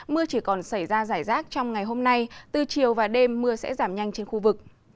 mưa chỉ còn xảy ra giải rác trong ngày hôm nay từ chiều và đêm mưa sẽ giảm nhanh trên khu vực